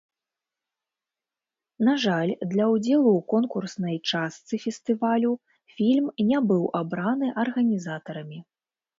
На жаль, для ўдзелу ў конкурснай частцы фестывалю фільм не быў абраны арганізатарамі.